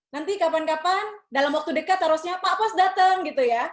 nanti kapan kapan dalam waktu dekat harusnya pak pos datang gitu ya